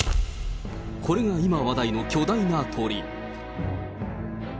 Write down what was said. これが今話題の巨大な鳥。